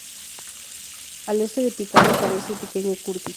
Al este de Picard aparece el pequeño Curtis.